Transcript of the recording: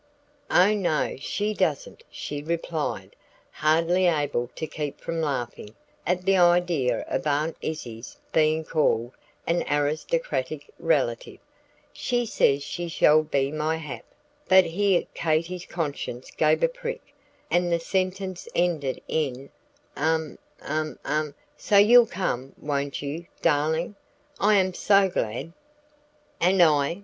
"Oh no, she doesn't," she replied, hardly able to keep from laughing, at the idea of Aunt Izzie's being called an "aristocratic relative" "she says she shall be my hap " But here Katy's conscience gave a prick, and the sentence ended in "um, um, um " "So you'll come, won't you, darling? I am so glad!" "And I!"